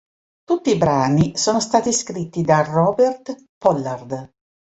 Tutti i brani sono stati scritti da Robert Pollard.